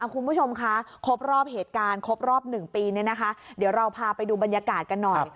คุณผู้ชมคะครบรอบเหตุการณ์๑ปีเดี๋ยวเราพาไปดูบรรยากาศกันหน่อย